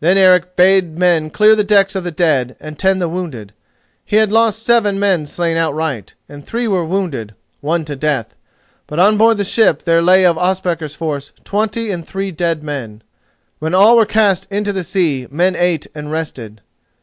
Then Eric bade men clear the decks of the dead, and tend the wounded. He had lost seven men slain outright, and three were wounded, one to death. But on board the ship there lay of Ospakar's force twenty and three dead men. When all were cast into the sea, men ate and rested.